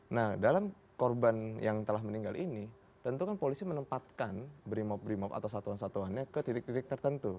nah dalam korban yang telah meninggal ini tentu kan polisi menempatkan brimob brimob atau satuan satuannya ke titik titik tertentu